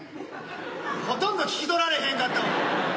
ほとんど聞き取られへんかったわ。